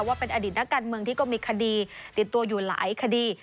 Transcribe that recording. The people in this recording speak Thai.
ว่าเป็นอดีตนักการเมืองที่ก็มีคดีติดตัวอยู่หลายคดี